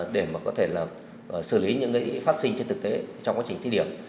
để có thể xử lý những phát sinh trên thực tế trong quá trình thí điểm